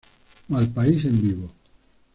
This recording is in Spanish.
Malpaís en vivo